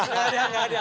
gak ada gak ada